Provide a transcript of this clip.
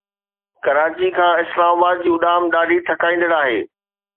ڪراچي کان اسلام آباد جي اڏام ڏاڍي ٿڪائيندڙ آهي